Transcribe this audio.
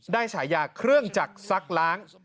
ฉายาเครื่องจักรซักล้าง